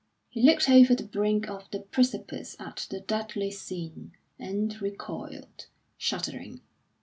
He looked over the brink of the precipice at the deadly sin, and recoiled, shuddering.